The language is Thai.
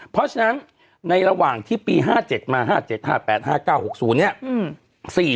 เพราะฉะนั้นในระหว่างที่ปี๕๗มา๕๗๕๘๕๙๖๐เนี่ย